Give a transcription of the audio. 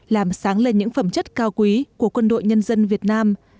làm sáng lên những phẩm chất cao quý của quân đội nhân dân việt nam